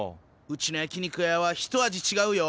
うちの焼き肉屋はひと味ちがうよ。